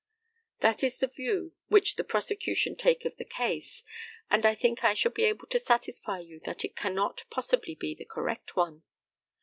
That is the view which the prosecution take of the case, and I think I shall be able to satisfy you that it cannot possibly be the correct one.